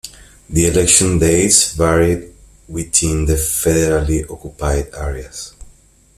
The election dates varied within the Federally occupied areas.